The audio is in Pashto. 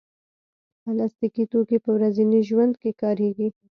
پلاستيکي توکي په ورځني ژوند کې کارېږي.